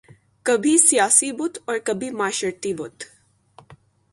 کبھی سیاسی بت اور کبھی معاشرتی بت